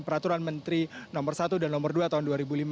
peraturan menteri no satu dan nomor dua tahun dua ribu lima belas